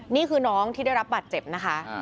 นี่คือน้องที่ได้รับบาดเจ็บนะคะ